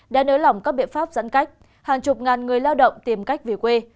đã nới lỏng các biện pháp giãn cách hàng chục ngàn người lao động tìm cách về quê